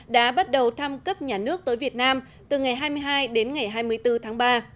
đã bắt đầu thăm cấp nhà nước tới việt nam từ ngày hai mươi hai đến ngày hai mươi bốn tháng ba